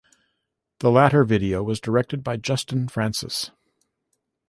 The latter video was directed by Justin Francis.